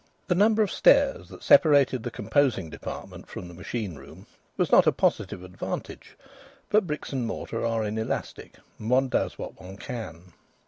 The number of stairs that separated the composing department from the machine room was not a positive advantage, but bricks and mortar are inelastic, and one does what one can.